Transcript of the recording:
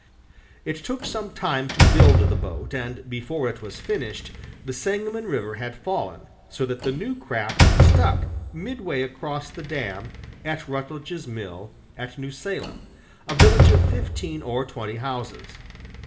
It took some time to build the boat, and before it was finished the Sangamon River had fallen so that the new craft stuck midway across the dam at Rutledge's Mill, at New Salem, a village of fifteen or twenty houses.